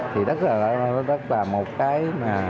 thì rất là một cái